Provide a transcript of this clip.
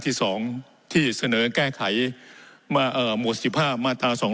ที่สองที่เสนอแก้ไขมาเอ่อหมวดสิบห้ามาตราสอง